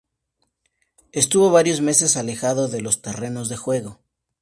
Estuvo varios meses alejado de los terrenos de juego.